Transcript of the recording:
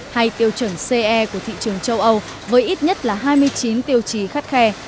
hay tiêu chuẩn ce của thị trường châu âu với ít nhất là hai mươi chín tiêu chí khắt khe